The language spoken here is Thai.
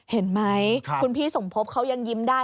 เห็นไหมคุณพี่สมพบเขายังยิ้มได้